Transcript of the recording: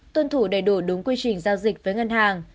tuân thủ đầy đủ đúng quy trình giao dịch với ngân hàng